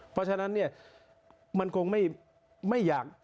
เพราะฉะนั้นเนี่ยมันคงไม่อยาก